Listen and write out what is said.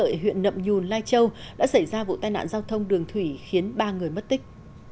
tại huyện nậm nhùn lai châu đã xảy ra vụ tai nạn giao thông đường thủy khiến ba người mất tích